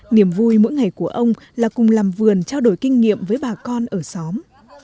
niềm vui mỗi ngày của ông là cùng làm vườn trao đổi kinh nghiệm với bà con ở xóm